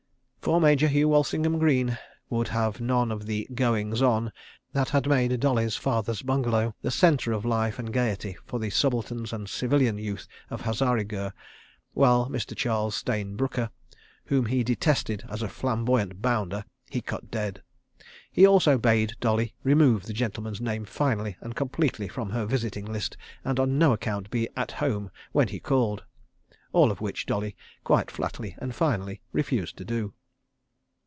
For Major Hugh Walsingham Greene would have none of the "goings on" that had made Dolly's father's bungalow the centre of life and gaiety for the subalterns and civilian youth of Hazarigurh; whilst Mr. Charles Stayne Brooker, whom he detested as a flamboyant bounder, he cut dead. He also bade Dolly remove the gentleman's name finally and completely from her visiting list, and on no account be "at home" when he called. All of which Dolly quite flatly and finally refused to do.